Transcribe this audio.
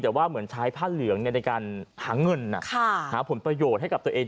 แต่ว่าเหมือนใช้ผ้าเหลืองในการหาเงินหาผลประโยชน์ให้กับตัวเอง